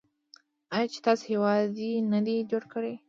آیا چې داسې هیواد یې نه دی جوړ کړی؟